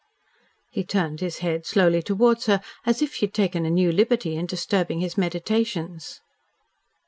He turned his head slowly towards her, as if she had taken a new liberty in disturbing his meditations.